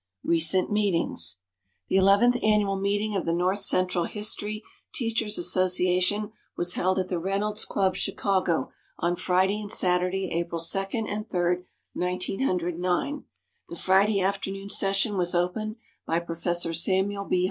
Recent Meetings. The eleventh annual meeting of the North Central History Teachers' Association was held at the Reynolds Club, Chicago, on Friday and Saturday, April 2 And 3, 1909. The Friday afternoon session was opened by Professor Samuel B.